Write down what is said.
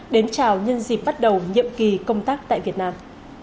đến chào nhân dịp bắt đầu nhiệm kỳ công tác tại việt nam